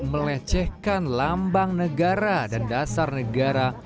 melecehkan lambang negara dan dasar negara